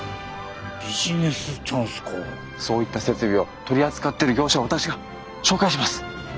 そういった設備を取り扱っている業者を私が紹介します。